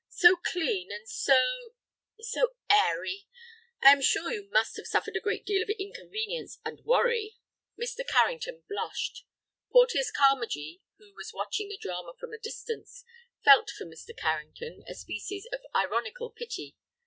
So clean, and so—so airy. I am sure you must have suffered a great deal of inconvenience and worry." Mr. Carrington blushed. Porteus Carmagee, who was watching the drama from a distance, felt for Mr. Carrington a species of ironical pity.